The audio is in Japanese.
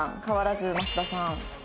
変わらず益田さん。